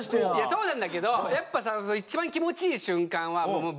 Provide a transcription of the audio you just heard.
そうなんだけどやっぱさ一番気持ちいい瞬間はボーッとしててほしい。